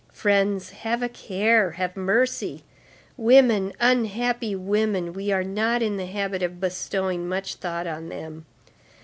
Friends, have a care, have mercy. Women, unhappy women, we are not in the habit of bestowing much thought on them.